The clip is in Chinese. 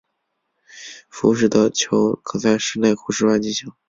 浮士德球可在室内或室外进行。